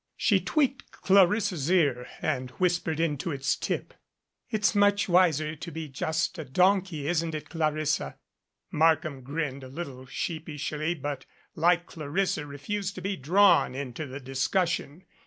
She tweaked Clarissa's ear and whispered into its tip. "It's much wiser to be just a donkey, isn't it, Clarissa?" Markham grinned a little sheepishly, but like Clarissa refused to be drawn into the discussion.